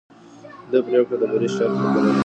ده پرېکړه د بری شرط بلله.